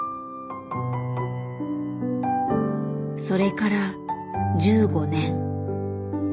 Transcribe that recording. それから１５年。